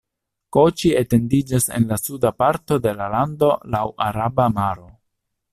Koĉi etendiĝas en la suda parto de la lando laŭ la Araba Maro.